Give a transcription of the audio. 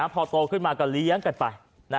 พอโตขึ้นมาก็เลี้ยงกันไป